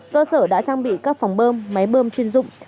cơ sở đã trang bị các phòng bơm máy bơm chuyên dụng